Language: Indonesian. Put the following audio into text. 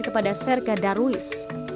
kepada serka darwis